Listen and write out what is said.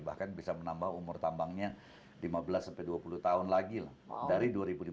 bahkan bisa menambah umur tambangnya lima belas sampai dua puluh tahun lagi dari dua ribu tujuh belas